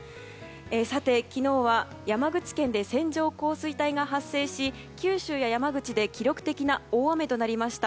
さて、昨日は山口県で線状降水帯が発生し九州や山口で記録的な大雨となりました。